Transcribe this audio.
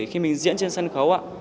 khi mình diễn trên sân khấu